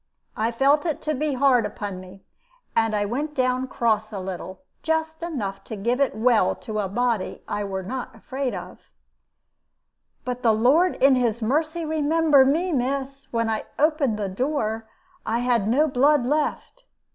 I felt it to be hard upon me, and I went down cross a little just enough to give it well to a body I were not afraid of. "But the Lord in His mercy remember me, miss! When I opened the door, I had no blood left.